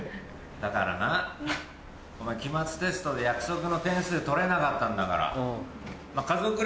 だからなお前期末テストで約束の点数取れなかったんだから。